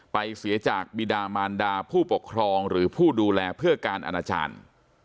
เสียจากบิดามานดาผู้ปกครองหรือผู้ดูแลเพื่อการอนาจารย์